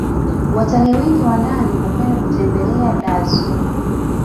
watalii wengi wa ndani hupenda kutembelea dar zoo